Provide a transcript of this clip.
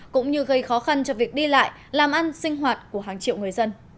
cũng như gây khó khăn cho việc đi lại làm ăn sinh hoạt của hàng triệu người dân